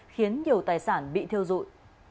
khiến nhiều tài sản bị theo dụi